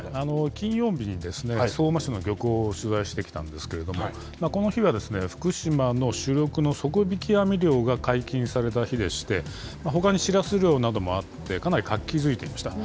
金曜日にですね、相馬市の漁港を取材してきたんですけれども、この日は福島の主力の底引き網漁が解禁された日でして、ほかにシラス漁などもあって、かなり活気づいていました。